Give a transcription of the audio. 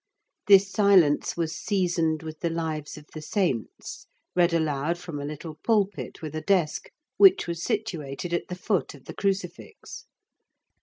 This silence was seasoned with the lives of the saints, read aloud from a little pulpit with a desk, which was situated at the foot of the crucifix.